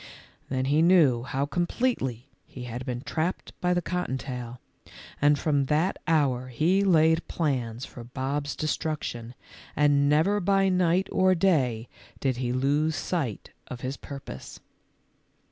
Then he knew how completely he had been trapped by the cotton tail, and from that hour he laid plans for Bob's destruction, and never by night or day did he lose sight of his pur pose.